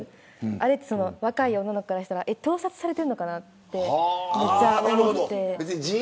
あれって若い女の子からしたら盗撮されてるのかなって。